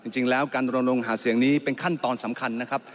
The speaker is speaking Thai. จริงแล้วการรณรงหาเสียงนี้เป็นขั้นตอนสำคัญนะครับ